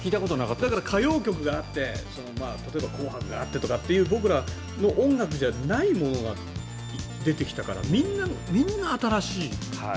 だから歌謡曲があって例えば「紅白」があってという僕らの音楽じゃないものが出てきたからみんな新しい。